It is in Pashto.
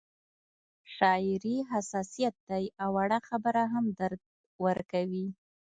شاعري حساسیت دی او وړه خبره هم درد ورکوي